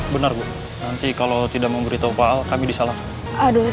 benar bu nanti kalau tidak memberitahu pak al kami disalahkan